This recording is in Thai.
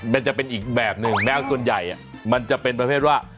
มันจะเป็นอีกแบบหนึ่งแมวส่วนใหญ่มันจะเป็นประเภทว่า